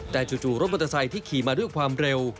แต่จู่รถมอเตอร์ไซค์ที่ขี่มาด้วยความเร็ว